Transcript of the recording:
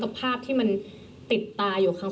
เธออยากให้ชี้แจ่งความจริง